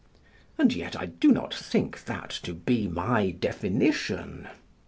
and yet I do not think that to be my definition.